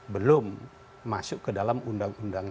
belum masuk ke dalam undang undang